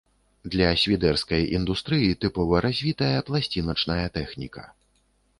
Для свідэрскай індустрыі тыпова развітая пласціначная тэхніка.